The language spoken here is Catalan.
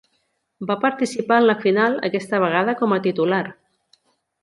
Va participar en la final, aquesta vegada com a titular.